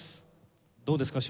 どうですか？